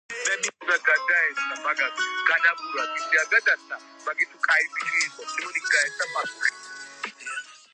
ადრეიან ენადგინა ყურდგელშა